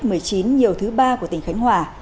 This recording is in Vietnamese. covid một mươi chín nhiều thứ ba của tỉnh khánh hòa